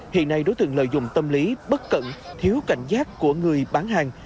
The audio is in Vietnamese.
hiện nay đối tượng lợi dụng tâm lý bất cận thiếu cảnh giác của người bán hàng